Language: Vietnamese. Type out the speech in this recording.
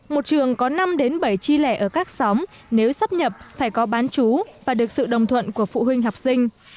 một trường có năm bảy chi lẻ ở các xóm nếu sát nhập phải có bán chú và được sự đồng thuận của phụ huynh học sinh